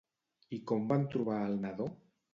I com van trobar al nadó?